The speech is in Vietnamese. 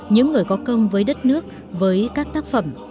những người có công với đất nước với các tác phẩm